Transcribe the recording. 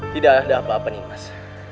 tidak ada apa apa nimas